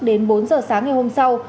đến bốn h sáng ngày hôm sau